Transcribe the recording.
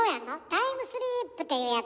「タイムスリップ！」って言うやつ。